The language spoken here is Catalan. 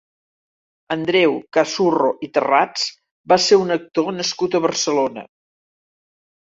Andreu Cazurro i Terrats va ser un actor nascut a Barcelona.